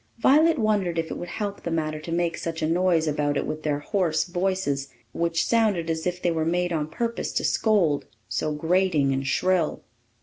Violet wondered if it would help the matter to make such a noise about it with their hoarse voices, which sounded as if they were made on purpose to scold so grating and shrill.